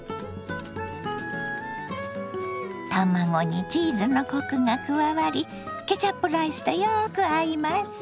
卵にチーズのコクが加わりケチャップライスとよく合います。